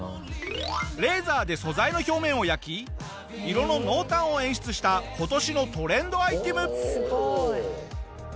レーザーで素材の表面を焼き色の濃淡を演出した今年のトレンドアイテム。